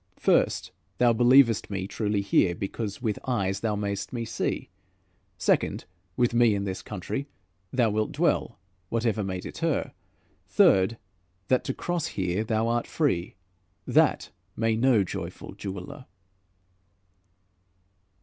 First, thou believest me truly here, Because with eyes thou mayst me see; Second, with me in this country Thou wilt dwell, whatever may deter; Third, that to cross here thou art free: That may no joyful jeweler."